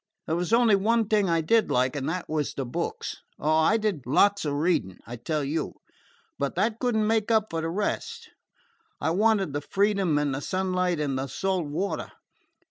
There was only one thing I did like, and that was the books. Oh, I did lots of reading, I tell you! But that could n't make up for the rest. I wanted the freedom and the sunlight and the salt water.